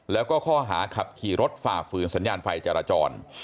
แล้วก็ข้อหาขับขี่รถฝ่าฝืนสัญญาณไฟจราจร